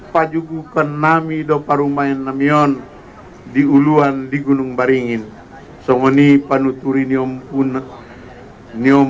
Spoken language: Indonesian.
pajuku kenami dopar umayun namion diuluan digunung baringin songoni panuturi nyom puna nyom